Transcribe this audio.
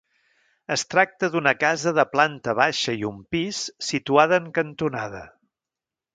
Es tracta d'una casa de planta baixa i un pis, situada en cantonada.